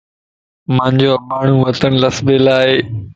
اسانجو اباڻون وطن لسيبلا ائي